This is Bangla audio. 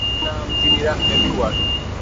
এদের নাম তিনি রাখলেন কোয়ার্ক।